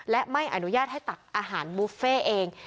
และไม่อนุญาตให้ตักอาหารบุฟเฟ่เอง